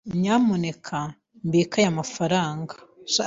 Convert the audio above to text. Nyamuneka mbike aya mafaranga.